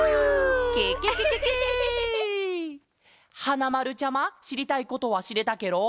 はなまるちゃましりたいことはしれたケロ？